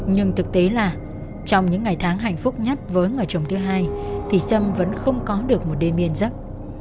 nhưng thực tế là trong những ngày tháng hạnh phúc nhất với người chồng thứ hai thì xâm vẫn không có được một đêm yên giấc